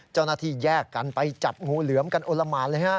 เจ้าหน้าที่แยกกันไปจับงูเหลือมกันโอละหมานเลยฮะ